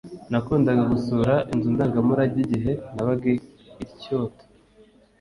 Nakundaga gusura inzu ndangamurage igihe nabaga i Kyoto